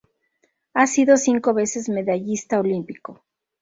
Ha sido cinco veces medallista olímpico.